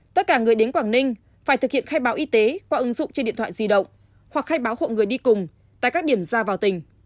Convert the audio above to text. tất cả người đến quảng ninh phải thực hiện khai báo y tế qua ứng dụng trên điện thoại di động hoặc khai báo hộ người đi cùng tại các điểm ra vào tỉnh